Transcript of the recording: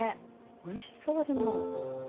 おいしそうでも。